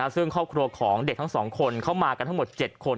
ซึ่งครอบครัวของเด็กทั้ง๒คนเข้ามากันทั้งหมด๗คน